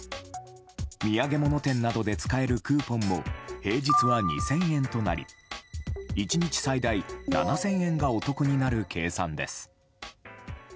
土産物店などで使えるクーポンも平日は２０００円となり１日最大７０００円がお得になる計算です。